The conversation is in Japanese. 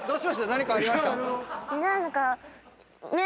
何かありました？